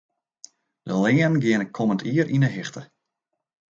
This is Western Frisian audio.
De leanen geane kommend jier yn 'e hichte.